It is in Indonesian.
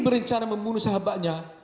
berencana membunuh sahabatnya